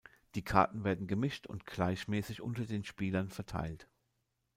Die Karten werden gemischt und gleichmäßig unter den Spielern verteilt.